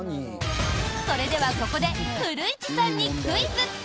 それでは、ここで古市さんにクイズ！